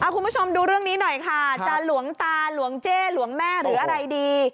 คุณผู้ชมดูเรื่องนี้หน่อยค่ะจะหลวงตาหลวงเจ้หลวงแม่หรืออะไรดี